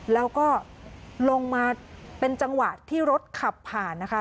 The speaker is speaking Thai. แล้วก็ลงมาเป็นจังหวะที่รถขับผ่านนะคะ